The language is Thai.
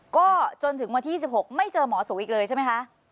ก็จนถึงวันที่๒๖ไม่เจอหมอสูอีกเลยใช่ไหมคะ